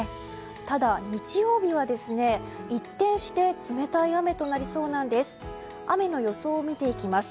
ただ、日曜日は一転して冷たい雨となりそうなんです。